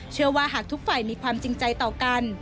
เชื่อว่าหากทุกฝ่ายมีความจริงใจต่อกัน